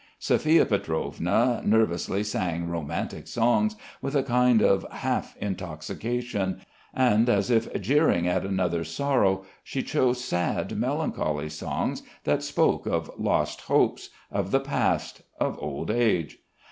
Sophia Pietrovna, nervously sang romantic songs, with a kind of half intoxication, and as if jeering at another's sorrow she chose sad, melancholy songs that spoke of lost hopes, of the past, of old age....